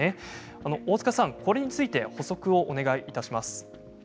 大塚さん、これについて補足をお願いします。